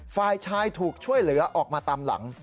ฝ่ายชายถูกช่วยเหลือออกมาตามหลัง